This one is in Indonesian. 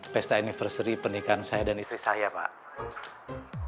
pesta anniversary pernikahan saya dan istri saya pak